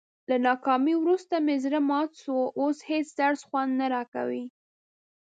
له ناکامۍ ورسته مې زړه مات شو، اوس هېڅ درس خوند نه راکوي.